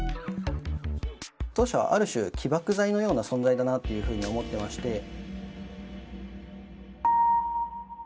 当社はある種起爆剤のような存在だなというふうに思っていまして。